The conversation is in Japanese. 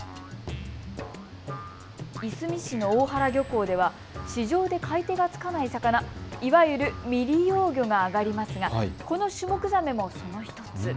いすみ市の大原漁港では市場で買い手がつかない魚、いわゆる未利用魚が揚がりますがこのシュモクザメもその１つ。